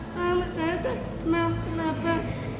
hmm aku tidak mau kenapa